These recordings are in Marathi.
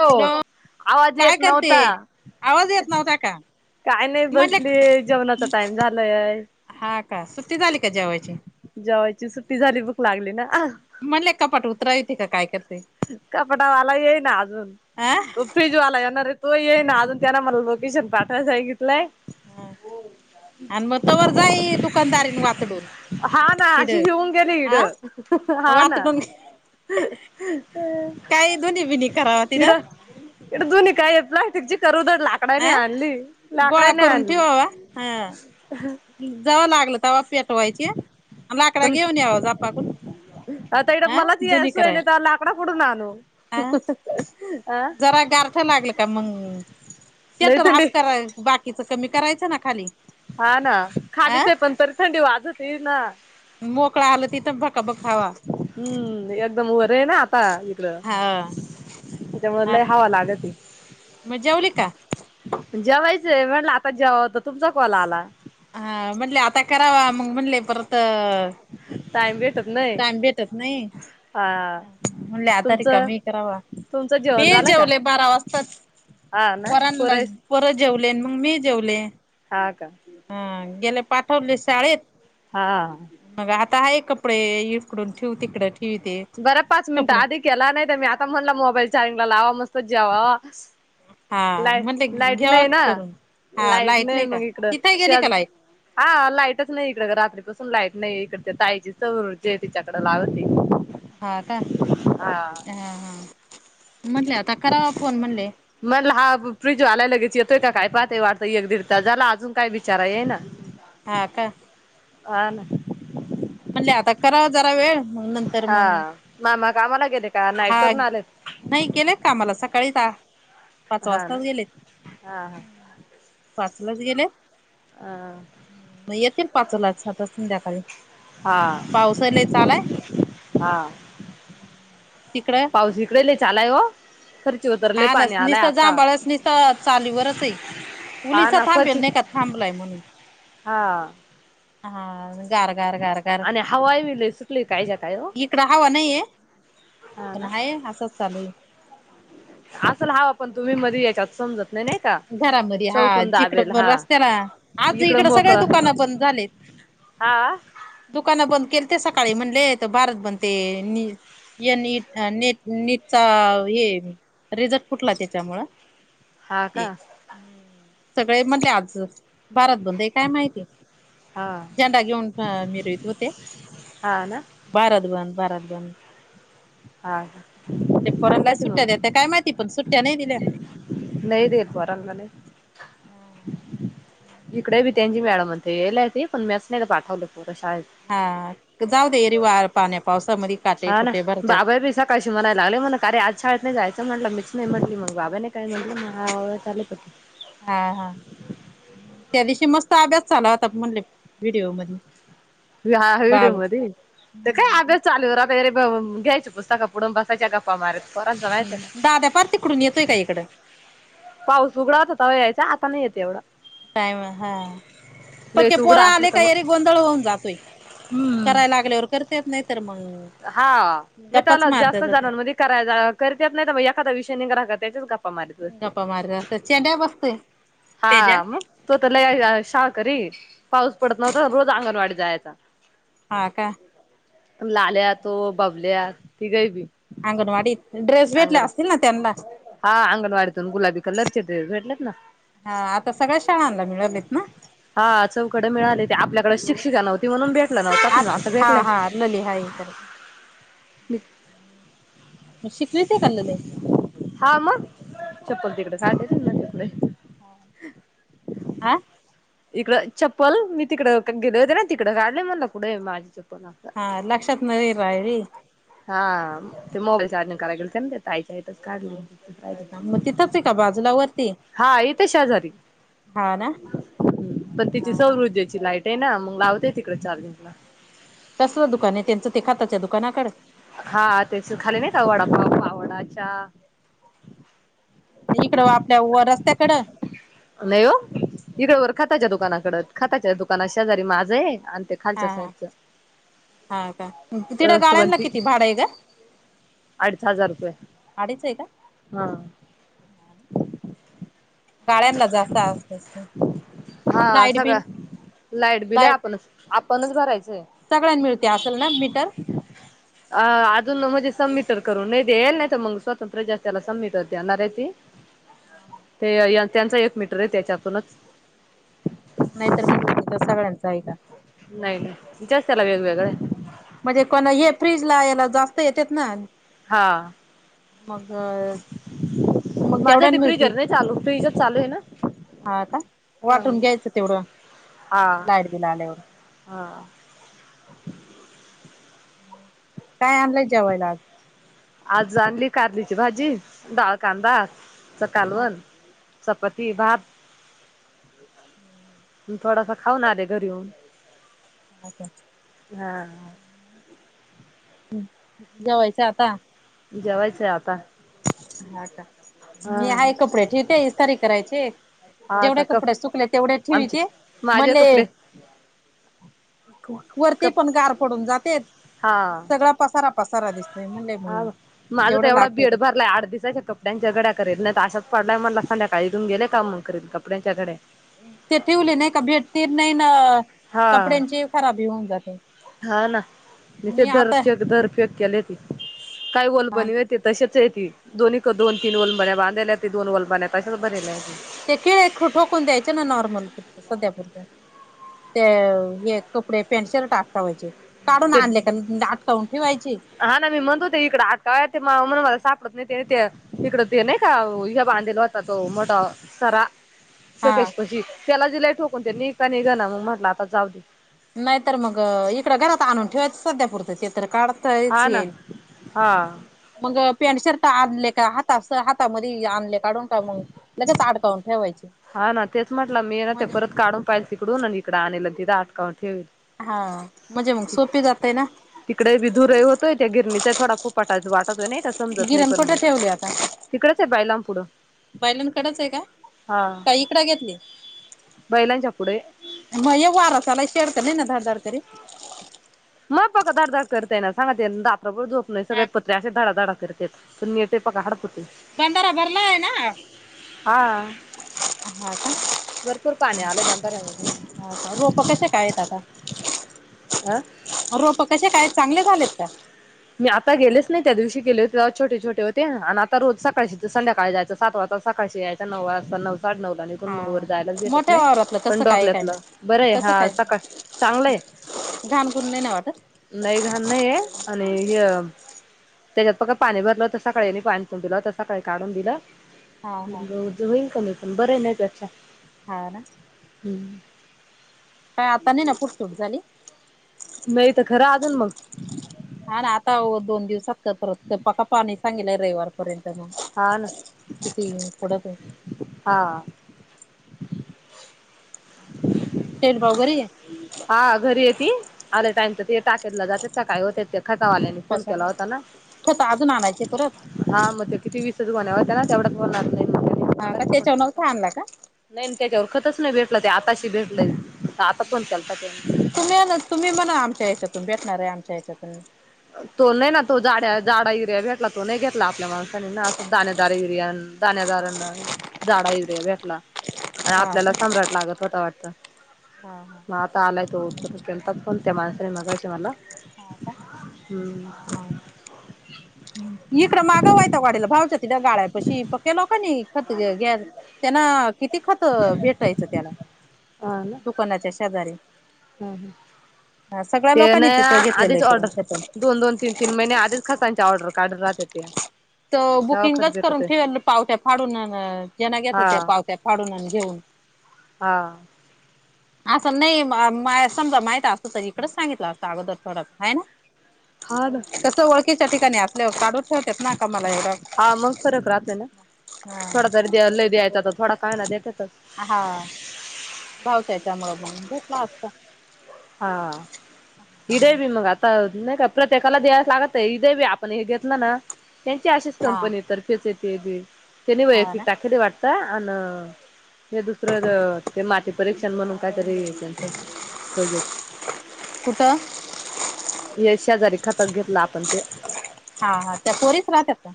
हॅलो आवाज काय येत करते नव्हता. आवाज येत नव्हता का काय नाही म्हणले बसली आहे जेवणाचा टाईम झालाय. हा का सुट्टी झाली का जेवयची. जेवायची सुट्टी झाली भूक लागली ना. मला [inaudible] उतरा येते काय करते. कपडावाला येईना आजून अ तो फिज. जवाला येणार रे तो ये ना अजून त्यांना मला लोकेशन पाठवायला सांगितले. आणि मग तवर जाई दुकानदारीने. [inaudible] हा ना अशी घेऊन गेले इड हा ना. वातडून [inaudible] काही दोन्ही बिनी करावा तिथं एक बाईनी अ आणनली लाकड नाही आनली. हा आ जवा लागलं तवा पेत. वहयची आहे लाकड पण घेऊन या आज आपपा कडून. आता ईकड मला येयची सोय नाही तवा लाकड कुठून आणू. अ [unintelligible] आं जरा गारठं लागलं का मग शटर हाफ कराय बाकीच कमी करायचं ना खाली. हा ना अ खालीच आहे पण तरी थंडी वाजत येई ना. मोकळा आल तिथं बघ. हम्म एकदम वरेना. पा ईकडे हा त्याच्या मध्ये लय हवा लागती. म जेवली का. जेवायचंय म्हटलं आता [inaudible] तुमचा कॉल आला. हा म्हंटले आता करावा मग म्हणले परत अ. टाइम भेटत नाही टाईम भेटत नाही. हा ह म्हणले आता तुमचं रिकामी आहे. करावा तुमचं जेवण ते झालं का जेवले बारा वाजताच. हा ना पुरस पोर जेवले मग मी जेवले. हा गेले पाठवले शाळेत. हा. मग आता हा एक कपडे इकडून ठेव तिकड ठेवते. बरं पाच मिनिटं आधी केला नाही तर मी आता म्हणला मोबाईल चार्जिंगला लावा मस्त. हा [inaudible] लाईट म्हणले लाईट घ्यावा नाही ना करून हा लाईट नाही का मग इकडं. तिथे गेली का लाईट हा लाईटच नाही इकड रात्रीपासून लाईट नाही. इकड ताईची सौ जे तिच्याकडे लावते. हा का हा हा म्हटले आता करावा फोन म्हंणले. मला हा फिजवालायला लगेच येतोय काय पाहय वाटतं एक दीड तास झाला अजून काय बिचारा येईना ना. हा का हा ना म्हणलो आता कराव जरा वेळ. मग नंतर हा मग मामा कामाला गेले का नाही हा करून आलेत. नाही गेलेत कामाला सकाळीच पाच हा ना वाजताच गेलेत. हा पाचलाच गेलं. हा. मग येतील पाचलाच आता संध्याकाळी. हां पावसा लय चालाय हां तिकडं पाऊस इकडे लेयंच आलाये हो फरची उतरलय हां पाणी नीसं आलाय निसंत आता जांभळस निसंत चालूं वरचं आहे हा उलिसा ना थांबेल फरची नाहीं कां थांबलाय म्हणूंन हा हां गांर गांर गांर गांर आणि हवाय बी लय सुटली कायच्या काय ओ इकडं हवं नाहींये हा ना पणं आहे असंच चालूं आहे असलं हवं पणं तुम्हीं मध्यें यांच्यात समजतं नाहीं घरांमध्ये हां तिकडं रस्त्यांला आंज इकडं सगळें दुकानं बंद झालेत हां दुकानं बंद केली ते सकाळीं म्हणले भारत बनते यां नीट नीट नीटचां हे रिझल्ट कुंठला त्यांच्यामुळे हां कां हम्मं सगळें मध्यें आंज भारत बंद आहे कायं माहिती हा झंडा घेऊंन मिरहंत होते हां नां भारत बंद भारत बंद हा का त्यां काय पोरांला माहिती सुट्ट्यां मग देतं कायं माहिती पणं सुट्ट्यां नाहीं दिल्यां नाहीं देेते पोरांना नाहीं हां इकडे बी त्यांची मॅडम होते येलंय ते पणं मीच नाहीं पाठवलं पुर्ण शाळेतं हां जाऊं देरीवार पाण्यांत पावसांमध्ये हा ना बाबा बी सकाळशी म्हणायला लागले म्हणा काे आंज शाळेतं नाहीं जायचं म्हणटलं मीचं नाहीं म्हटंली मगं बाबां कायं म्हणलंलेप हां हां त्यां दिवशी मस्तं अभ्यास झालां होतां म्हणले व्हिडिओ मध्यें हां व्हिडिओ मध्यें तरं कायं अभ्यास चालूं वगैरें घ्यांयची पुस्तकं पुढूंन बसं जगंप मारतं परं हम्मं दांद्या पांर तिकडूंन येतोय कां इकडं पाऊस उघडां हो होतां यांयचा आंता नाहीं येते एवढां टाईम हां पक्के लईच उघडा पोरां आले असलं तर कां अरी मग गोंधळ होऊंन जातोय करांय लागल्यांवर पं नाहीं तरं मगं हां नाहीं त्यांला जास्तं जणांमध्ये करायचं करतं येतं नाहीं मगं एखांदा विषय नि ग्रहक त्यांच्याच मारतं असते गप्पा मारत चेंड्या बसतोय तेज्या हां तो तरं लयं शां कररी पाऊस पडतं नव्हतां रोज अंगणवाडी जांयचा हां कां लाल्यां तो बबल्यां ती गही बी अंगणवाडीतं ड्रेस भेटले असतील नां त्यांना हां अंगणवाडीतून गुलाबी कलरचे भेटलेत नां हां आंता सगळ्यां शाळांना मिळवलेत नां हां चौकडे मिळाले ते आपल्यांकडे शिक्षिका नव्हती म्हणूनचं भेटलं नव्हं आपणं असं भेटलंय हांय तरं मं मं शिकव ते कलर हा म चप्पल तिकड [unintelligible] आ इकडं चप्पल मी तिकडं गेले होते ना, तिकडं काढले म्हणलं क पुढे माझी च हा लक्षात नाई रायी. हा ते मोबाईल चार्जिंग कराय गेलतं ताईच्याच मग काढले तिथंच आहे का बाजूला वरती हा हितं शेजारी हा ना ह्, पण तिची सौर ह ऊर्जेची लाईट ये ना, मग लावते तिकडे चार्जिंगला कसलं दुकानय त्यांचं? ते खाताच्या दुकानाकडं. हा त्याचं खाल नाई का, वडापाव पाववडा चा? इकडं, आपल्या व रस्त्याकडं. नाई ओ, इकडं वर खाताच्या दुकानाकडं, खाताच्या दुकाना शेजारी माझंय आणि ते हा, खालच्या हा, साईडच हा! का तिड अ गाळ्यांना सुवंती किती भाडं अय गं? अडीच हजार रुपये अडीच आहे का हा गाळ्यांना जास्त आ असत. हा लाईट सगळा बिल बिल आहे लाईट आपणच आपणच भरायचंय. सगळ्यां मिळते असेल ना, मीटर? अ.. अजून म्हजी सममिटर करून नाही देल नाहीत, मग स्वतंत्र्य जास्त त्याला सममीटर दे्णाराय ती. [inaudible] याचं, त्याचं एक मीटरय. त्याच्यातूनच. नायतर म्हटली तिथं सगळ्यांचं हाय का? नाहीई [unintelligible] वेगवेगळं म्हणजे, पण हे फ्रीज ला यायला जास्त येतेत ना? हा मग मग माझ्या तेवढ्यान मिळती [unintelligible] चालू, फ्रीजच चालू आहे ना? हा का वाटून घ्यायचं तेवढं हा हा लाईट बिल आलय हा.. काय आणलंय जेवायला आज? आज आणली कारलीची भाजी, डाळ, कांदा हा कालवण, चपाती, भात हम् थोडासा खाऊन [unintelligible] घरी येऊन हा स हा जेवायचं आता. जेवायचंय आता. हा का हा मी हाय कपडे ठिक्ये ईस तारीख धरायची. हा आता जेवढे कप कपडे सुकलेत तेवढे आमचे ठेवीते माझे म्हणले. कपडे वरती कप पण गार पडून जातेत. हा सगळा पसारा पसारा दिसतोय म्हणले हा मग जेवढ ला [unintelligible] भरलाय आठ दिसा [unintelligible] ड्यांच्या घड्या करीत [unintelligible] मला संध्याकाळी इथून गेले का मग करील कपड्यांच्या घड्या ते ठिवले नाई का भेटते नाही ना हा कपड्यांची खराबी होऊन जाते हा ना मी आता तेे [unintelligible] केले. हा काय [unintelligible] ते तसेच आहे की दोन्ही कड दोन तीन [unintelligible] ते खिळ्यात खो ठोकून द्यायचे ना नॉर्मल पुरतं, सध्या पुरतं. ते हे कपडे पॅन्ट शर्ट अटकावायचे, काढून ते आणले का आटकवून ठेवायचे हा ना मी म्हणत होते इकडे आटकाव ते म्ह म्हणे मला सापडत नाहीते ते हीथे. तिकड ते नाही का ओ हे बांधेल होता तो मोठा सरा. हा शोकेस पशी, त्याला दिलय ठोकून त्यानी का नाही जाना मग म्हटलं आता जाऊ दे. नाही तर मग इकडं घरात आणून ठेवायचं सध्या पुरतं ते तर काढ [unintelligible] हा ना येईल. हा मग पॅन्ट शर्ट आणले का? हाता अस हातामध्ये आणले? काढून का मग लगेच आडकावून ठेवायचे. हा ना तेच म्हटलं मी ना ते म्हणजे परत काढून पाहिल तिकडून आणि इकड आनेल आणि तिथं अटकउन ठेवेल. हा म्हणजे मग सोपी जातय ना? तिकडे बी धूर हे होतोय त्या गिरणीचा थोडा फुपाटाच वाटतोय नाही का? समजत नाही पण. कुठ ठेवली आता? तिकडच आहे बैलांन पुढं. बैलांकडच आहे का? का इकड घेतली? बैलांच्या पुढे मग ये वारासाला शेड त नाही ना धड धड करीत? मग पका धडधाड करतय ना सांगते ना रात्रभर झोप नाही सगळे हा का पत्रे असे धडाधडा करतेत पण मी ते पघा हडत होते. बंधारा भरला आहे ना हा. हा का भरपूर पाणी आलय बंधाऱ्यांमधे. हा का, रोप कशे काय आहेत आता? आं. रोप कसे काय आहेत? चांगले झालेत का? मी आता गेलेच नाही. त्या दिवशी गेले होते तेव्हा छोट छोटे होते. आणि आता रोज सकाळशीं ती संध्याकाळी जायंच सात वाजता सकाळशी यायचं. ते नव वाजता नव पार नवला निघून मग वर हा जायलाच भेटत मोठ्या नाही. वावरातलं पण कसं काय काय डोकल्यातलं नाही बर आहे. कसं हा काय सकाळ चांगलंय. घाण गुंण नाही ना वाटत? नाही घाण नाही आहे आणि ह्य त्याच्यात पक्का पाणी भरलं होत सकाळीनी पाणी [unintelligible] दिलं त सकाळी काढून दिलं. हा मग हा. गऊरच होईल कमी पण बरं आहे ना [unintelligible] हा ना. हम्म. काय आता नाय ना कुट चूक झाली? नाही तर खरं अजून मग. हा ना आता व दोन दिवसात काय परत, पका पाणी सांगितलय रविवार पर्यंत मग हा ना किती पडत आहे. हा. [inaudible] [unintelligible] घरी आहे? हा घरी आहे ती. आले टाईम तर ती टाकेतला जाते, सकाळी होते ते खतावाल्यानी फोन कशाला केला होता ना? ठेवता अजून आणायचे परत? हा मग ते किती विसच गोण्या होत्या ना? तेवढच भरून आणलंय. हा का? त्याच्या मूळच थांबला का? नाही त्यांच्यावर खतच नाही भेटलं, ते आताशी भेटलंय आ आता फोन केला - तुम्ही तुम्ही म आमच्या ह्याच्यातून भेटणार आहे आमच्या ह्याच्यातून- तो नाही ना तो जाड्या जाडा एरिया भेटला तो नाही घेतला आपल्या माणसाने ना असं दाणेदारा एरिया. दाणेदार अन जाडा एरिया भेटला. आणि हा आपल्याला का? सम्राट लागत होत वाटत. हा हा. मग आता आलाय तो फण त्या माणसने मगायशी मला [inaudible] हा का हम्म इकडे मागावायं गाडी्याला भावच तिथ्या गाळ्या पशी- पक्क्या लोकांनी खत घ्या त्यांना किती खत भेटायचं त्याला. ह ना दुकानाच्या शेजारी. ह ह हा सगळ्या ते लोकांनी नाही तिथं घेतलेलं आधीच आहे करून ऑर्डर खतम. दोन-दोन तीन तीन, तीन महिने आधीच खतांची ऑर्डर काढुत राहात्याती. तर बुकिंगच करून ठेवल पावट्या फाडून जेना घेतलं हा त्या पावत्या फाडून घेऊन. हा असं नाही समजा माहित असतं तर इकडच सांगितलं असतं अगोदर थोडा आहे ना. हा ना कसं ओळखीच्या ठिकाणी आप- लव काढून ठेवतेेत ना का मला हेर हा मग फरक राहतोय ना हा थोडा [inaudible] तरी लय द्यायचा तर थोडा काय ना देत्यात. हा भावच्याच्यामुळं म्हण भकला असत [inaudible] हा हडेे बी मग आता नाही का प्रत्येकाला द्यायस लागत हदेब आपण हे घेतलं ना. त्यांची अशीच हा. कंपनी तर्फेच येते त्यांनी हा वैयक्तिक ना ताख वाट- अ हे दुसरं ते माती परीक्षण म्हणून कायतरी त्यांचं- होय कुठं हे शेजारी खतक घेतला आपण ते, हा हा त्या पोरीच राहतात का?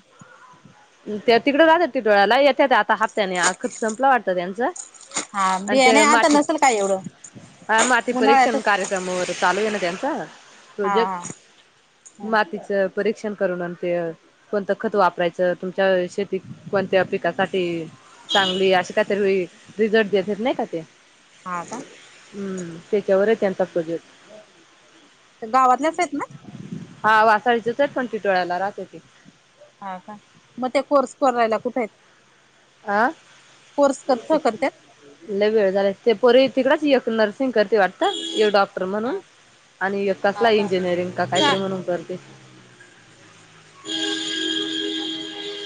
त्या तिकडे राहात्यात टीटवाळ्याला येत्या त्या आता हप्त्याने आख संपलं वाटतं त्यांचं- हा आणि बियाणे ते आता माती नसेल काय एवढं हा माती परीक्षण उन्हाळ्यातच कार्यक्रम व- चालू आहे ना त्यांचां हा प्रोजेक्ट, हा मातीचं परीक्षण करून ते कोणतं खत वापरायचं. तुमच्या शेतीत कोणत्या पिकांसाठी - चांगली असे काहीतरी रिझल्ट द्या नाही का ते. ह का हम्म तेच्यावर तेचा प्रोजेक्ट. तर गावातल्याच आहेत. हा वासाळीच्याचच पण टिटवाळ्याला राहते ते हा का मग त्या कोर्स करायला कुठे? अ कोर्स कसं करतात [unintelligible] लय वेळ झाला ते पोरी तिकडच नर्सिंग करते वाटतं एक डॉक्ट- म्हणून हा आणि कसला इंजिनिअरिंग का काहीतरी म्हणून करते.